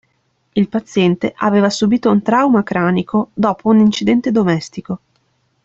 Il paziente aveva subito un trauma cranico dopo un incidente domestico.